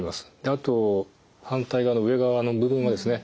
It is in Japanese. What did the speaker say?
あと反対側の上側の部分はですね